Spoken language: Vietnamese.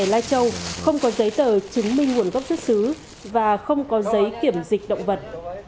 lai châu không có giấy tờ chứng minh nguồn gốc xuất xứ và không có giấy kiểm dịch động vật